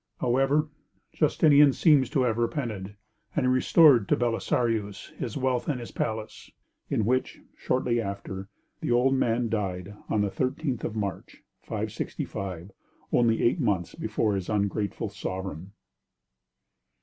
However, Justinian seems to have repented, and he restored to Belisarius his wealth and his palace, in which, shortly after, the old man died on the 13th of March, 565, only eight months before his ungrateful sovereign.